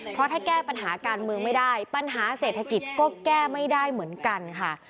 เพราะถ้าแก้ปัญหาการเมืองไม่ได้ปัญหาเศรษฐกิจก็แก้ไม่ได้เหมือนกันค่ะ